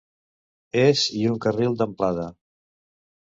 És i un carril d'amplada.